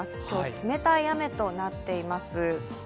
今日、冷たい雨となっています。